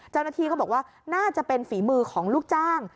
เจ้าหน้าที่เขาบอกว่าน่าจะเป็นฝีมือของลูกจ้าง